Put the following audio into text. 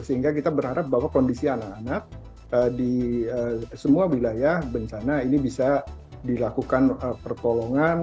sehingga kita berharap bahwa kondisi anak anak di semua wilayah bencana ini bisa dilakukan pertolongan